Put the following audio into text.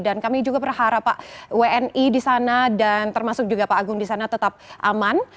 dan kami juga berharap pak wni di sana dan termasuk juga pak agung di sana tetap aman